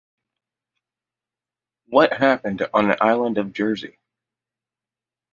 What Happened on the Island of Jersey.